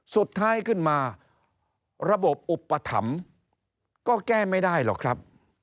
สุดท้ายขึ้นมาระบบอุปถัมภ์ก็แก้ไม่ได้หรอกครับ